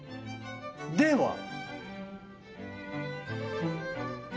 では。